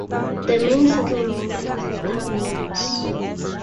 The main settlement is the town Neves.